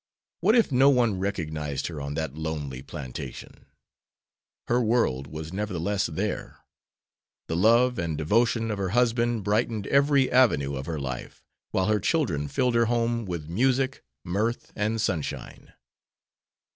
What if no one recognized her on that lonely plantation! Her world was, nevertheless, there. The love and devotion of her husband brightened every avenue of her life, while her children filled her home with music, mirth, and sunshine.